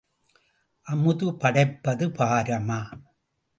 அமுது படைப்பது பாரமா?